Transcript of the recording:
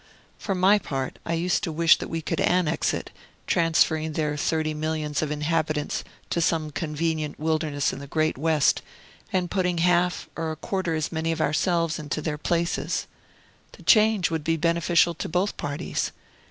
For my part, I used to wish that we could annex it, transferring their thirty millions of inhabitants to some convenient wilderness in the great West, and putting half or a quarter as many of ourselves into their places. The change would be beneficial to both parties.